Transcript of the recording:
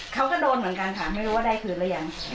เขาก็โดนเหมือนกันค่ะไม่รู้ว่าได้คืนหรือยัง